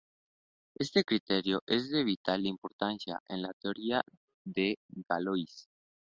Este criterio es de vital importancia en la teoría de Galois.